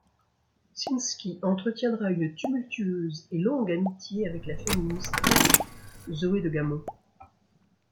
Czyński entretiendra une tumultueuse et longue amitié avec la féministe belge Zoé de Gamond.